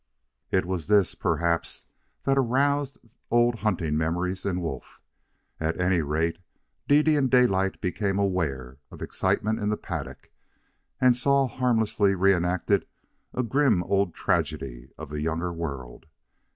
It was this, perhaps, that aroused old hunting memories in Wolf. At any rate, Dede and Daylight became aware of excitement in the paddock, and saw harmlessly reenacted a grim old tragedy of the Younger World.